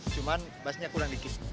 cuma bassnya kurang sedikit